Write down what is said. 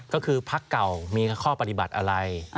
ก็คือพักเก่ามีข้อปฏิบัติอะไร